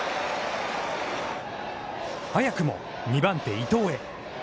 早くも２番手伊藤へ。